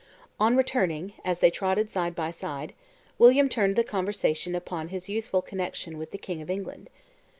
On returning, as they trotted side by side, William turned the conversation upon his youthful connection with the king of England.